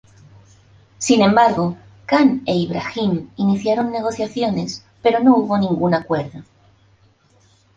Sin embargo, Khan e Ibrahim iniciaron negociaciones, pero no hubo ningún acuerdo.